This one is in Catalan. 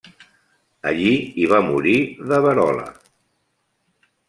Allí hi va morir de verola.